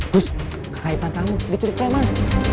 gus kekaitan kamu dicuri kreman